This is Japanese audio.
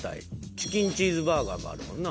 チキンチーズバーガーもあるもんな。